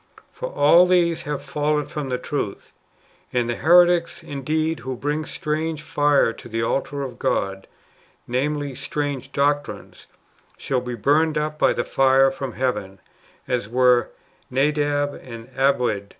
For all these have fallen from the truth. And the heretics, indeed, who bring strange fire to the altar of God — namely, strange doctrines — shall be burned up by the fire from heaven, as were Nadab and Abiud.